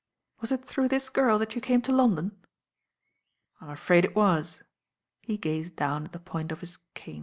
Was it through this girl that you came to London?" "I'm afraid it was." He gazed down at the point of his cane.